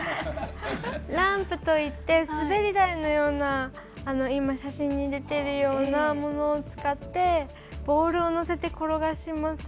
ランプといって滑り台のようなものを使ってボールを乗せて転がします。